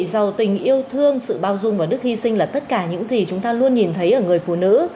giàu tình yêu thương sự bao dung và đức hy sinh là tất cả những gì chúng ta luôn nhìn thấy ở người phụ nữ